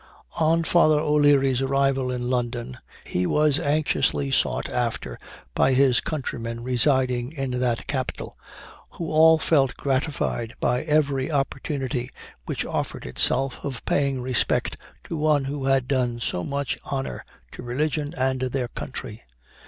On Father O'Leary's arrival in London he was anxiously sought after by his countrymen residing in that capital, who all felt gratified by every opportunity which offered itself, of paying respect to one who had done so much honor to religion and their country.